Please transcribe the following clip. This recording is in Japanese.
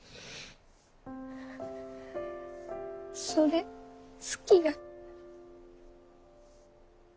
それ好きや。